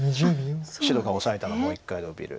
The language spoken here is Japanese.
白がオサえたらもう一回ノビる。